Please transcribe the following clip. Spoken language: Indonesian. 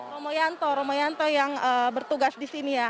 romoyanto romoyanto yang bertugas di sini ya